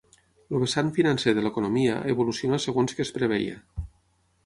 El vessant financer de l’economia evoluciona segons que es preveia.